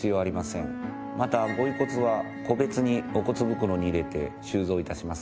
またご遺骨は個別にお骨袋に入れて収蔵致します。